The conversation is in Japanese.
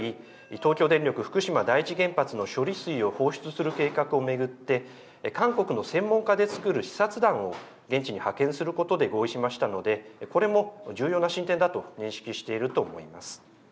東京電力福島第一原発の処理水を放出する計画を巡って、韓国の専門家で作る視察団を現地に派遣することで合意しましたので、これも重要な進展だと認識していると思います。